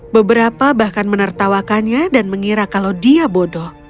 beberapa bahkan menertawakannya dan mengira kalau dia bodoh